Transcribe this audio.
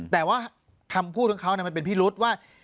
แต่ว่าคำพูดของเขามันเป็นพิรุษว่า